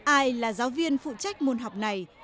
ai là giáo viên phụ trách môn học này